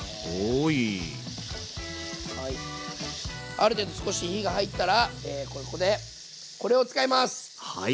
ある程度少し火が入ったらここでこれを使います！